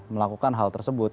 melakukan hal tersebut